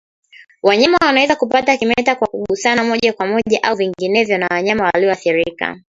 Wanyama wanaweza kupata kimeta kwa kugusana moja kwa moja au vinginevyo na wanyama walioathirika